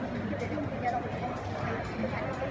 พี่แม่ที่เว้นได้รับความรู้สึกมากกว่า